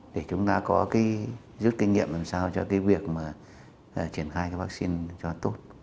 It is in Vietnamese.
để chúng ta có cái rút kinh nghiệm làm sao cho cái việc mà triển khai cái vaccine cho tốt